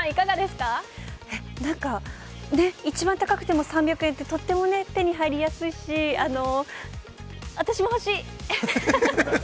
なんか、一番高くても３００円ってとっても手に入りやすいし、私も欲しい！